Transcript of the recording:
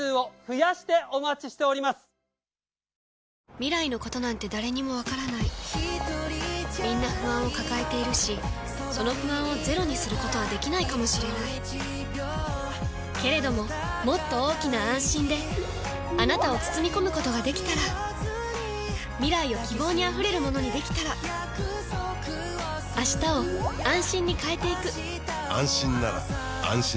未来のことなんて誰にもわからないみんな不安を抱えているしその不安をゼロにすることはできないかもしれないけれどももっと大きな「あんしん」であなたを包み込むことができたら未来を希望にあふれるものにできたら変わりつづける世界に、「あんしん」を。